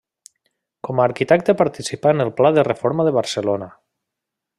Com a arquitecte participà en el pla de reforma de Barcelona.